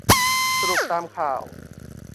สรุปตามข่าว